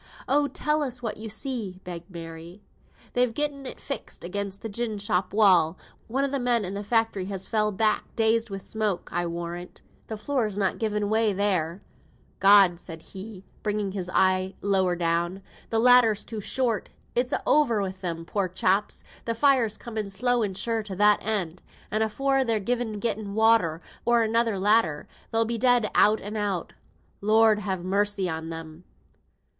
"Oh, tell us what you see?" begged Mary. "They've gotten it fixed again the gin shop wall. One o' the men i' th' factory has fell back; dazed wi' the smoke, I'll warrant. The floor's not given way there. God!" said he, bringing his eye lower down, "th' ladder's too short! It's a' over wi' them, poor chaps. Th' fire's coming slow and sure to that end, and afore they've either gotten water, or another ladder, they'll be dead out and out. Lord have mercy on them!"